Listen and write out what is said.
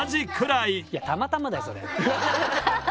いやたまたまだよそれ。